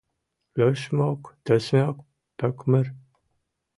Лӧшмӧк — тӧсмӧк, пӧкмыр.